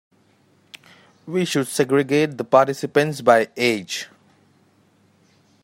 We should segregate the participants by age.